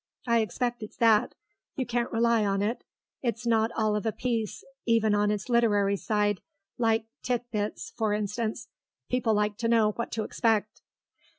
I expect it's that; you can't rely on it; it's not all of a piece, even on its literary side, like Tit Bits, for instance. People like to know what to expect."